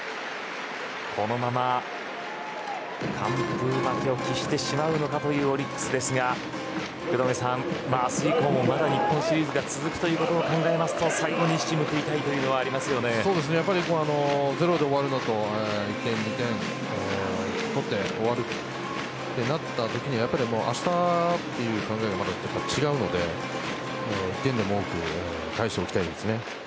このまま完封負けを喫してしまうのかというオリックスですが福留さん、明日以降もまだ日本シリーズが続くことを考えると最後に一矢報いたいというのはやはりゼロで終わるのと１点取って終わる。となったときにはあしたということでまた違うので１点でも多く返しておきたいですね。